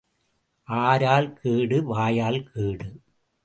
ஆரால் கேடு, வாயால் கேடு.